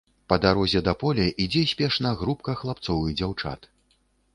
Па дарозе да поля ідзе спешна групка хлапцоў і дзяўчат.